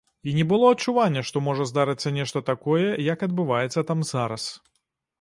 І не было адчування, што можа здарыцца нешта такое, як адбываецца там зараз.